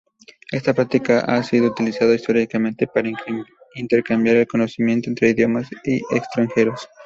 Esta práctica ha sido utilizada históricamente para intercambiar el conocimiento entre idiomas extranjeros.